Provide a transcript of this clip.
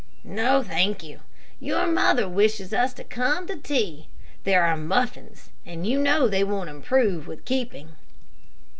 "No, thank you; your mother wishes us to come to tea. There are muffins, and you know they won't improve with keeping."